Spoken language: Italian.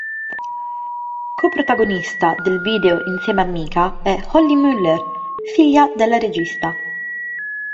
Co-protagonista del video insieme a Mika è Holly Muller, figlia della regista.